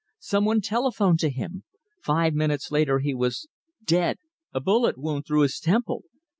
Some one telephoned to him. Five minutes later he was found dead a bullet wound through his temple!...